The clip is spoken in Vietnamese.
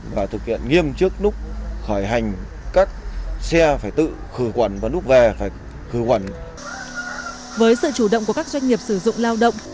với sự chủ động của các doanh nghiệp sử dụng lao động